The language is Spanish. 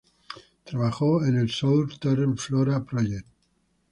Trabajó en el "Southeastern Flora Project".